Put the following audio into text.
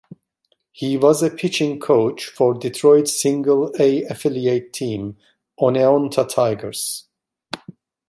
He was a pitching coach for Detroit Single-A affiliate team, Oneonta Tigers.